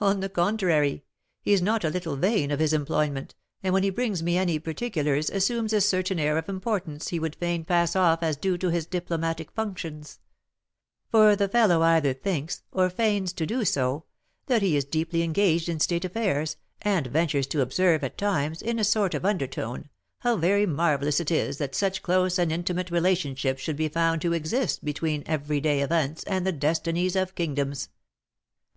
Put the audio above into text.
"On the contrary, he is not a little vain of his employment, and when he brings me any particulars assumes a certain air of importance he would fain pass off as due to his diplomatic functions; for the fellow either thinks, or feigns to do so, that he is deeply engaged in state affairs, and ventures to observe at times, in a sort of undertone, how very marvellous it is that such close and intimate relationship should be found to exist between every day events and the destinies of kingdoms!